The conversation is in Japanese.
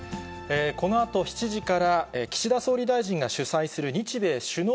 このあと７時から、岸田総理大臣が主催する日米首脳